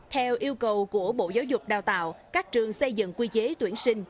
theo yêu cầu của bộ giáo dục đào tạo các trường xây dựng quy chế tuyển sinh